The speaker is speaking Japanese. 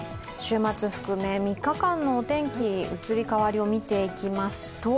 週末含め、３日間のお天気の移り変わりを見ていきます。